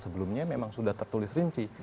sebelumnya memang sudah tertulis rinci